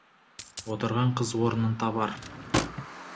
Отырған қыз орнын табар.